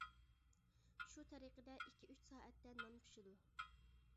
شۇ تەرىقىدە ئىككى-ئۈچ سائەتتە نان پىشىدۇ.